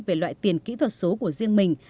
về loại tiền kỹ thuật số của riêng mình